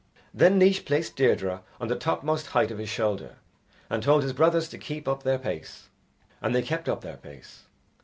Then Naois placed Deirdre on the topmost height of his shoulder, and told his brothers to keep up their pace, and they kept up their pace.